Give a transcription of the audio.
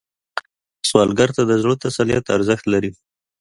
سوالګر ته د زړه تسلیت ارزښت لري